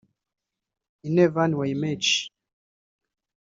Ine Van Wymeersch